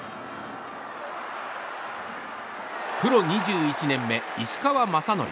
プロ２１年目、石川雅規。